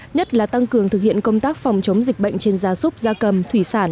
nhất là tăng cường thực hiện công tác phòng chống dịch bệnh trên gia súc gia cầm thủy sản